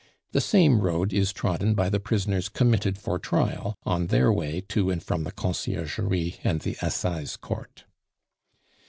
The same road is trodden by the prisoners committed for trial on their way to and from the Conciergerie and the Assize Court.